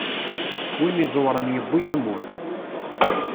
Win iẓewren yewwi amur.